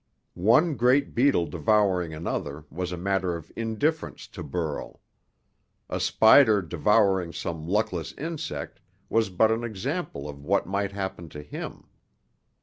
One great beetle devouring another was a matter of indifference to Burl. A spider devouring some luckless insect was but an example of what might happen to him.